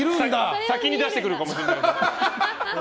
先に出してくるかもしれない。